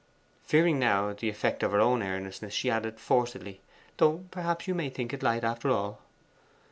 Fearing now the effect of her own earnestness, she added forcedly, 'Though, perhaps, you may think it light after all.